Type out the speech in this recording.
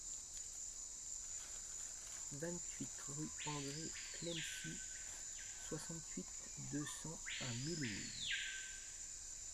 vingt-huit rue André Clemessy, soixante-huit, deux cents à Mulhouse